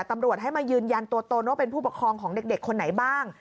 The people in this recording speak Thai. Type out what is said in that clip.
ตำรวจให้มายืนยันตัวตนว่าเป็นผู้ปกครองของเด็กคนไหนบ้าง